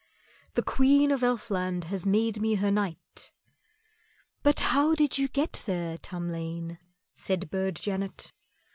"The Queen of Elfland has made me her knight." "But how did you get there, Tamlane?" said Burd Janet.